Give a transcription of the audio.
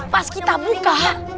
pas kita buka